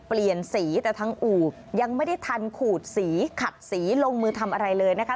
เปลี่ยนสีแต่ทางอู่ยังไม่ได้ทันขูดสีขัดสีลงมือทำอะไรเลยนะคะ